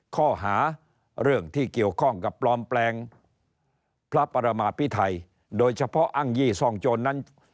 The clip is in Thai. ข้อหาเรื่องที่เกี่ยวข้องกับปลอมแปลงพระประมาพิไทยโดยเฉพาะอ้างยี่ซ่องโจรนั้น